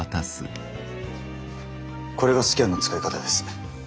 これがスキャンの使い方です。